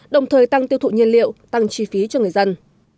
đồng thời tăng tiêu thụ nhiên liệu tăng chi phí cho người dân